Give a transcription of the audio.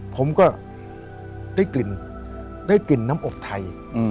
ผมก็ได้กลิ่นได้กลิ่นน้ำอบไทย